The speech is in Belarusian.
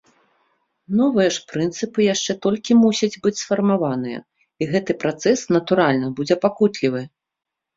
Новыя ж прынцыпы яшчэ толькі мусяць быць сфармаваныя, і гэты працэс, натуральна, будзе пакутлівы.